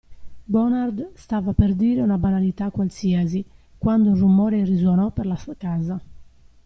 Bonard stava per dire una banalità qualsiasi, quando un rumore risonò per la casa.